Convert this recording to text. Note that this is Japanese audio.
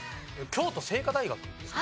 京都精華大学ですか？